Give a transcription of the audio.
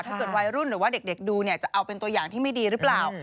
ถ้าเกิดวัยรุ่นหรือว่าเด็กดูเนี่ยจะเอาเป็นตัวอย่างที่ไม่ดีหรือเปล่า